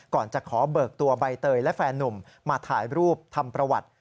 ก่อนจะขอเบิกตัวใบเตยและแฟนนุ่มมาถ่ายรูปทำประวัติ